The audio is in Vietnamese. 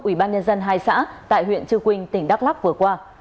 ủy ban nhân dân hai xã tại huyện trư quynh tỉnh đắk lắc vừa qua